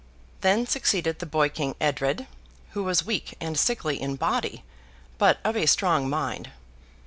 Then succeeded the boy king Edred, who was weak and sickly in body, but of a strong mind.